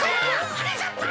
はなかっぱ！